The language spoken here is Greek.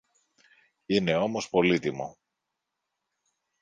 Είναι όμως πολύτιμο.